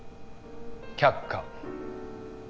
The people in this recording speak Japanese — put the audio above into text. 却下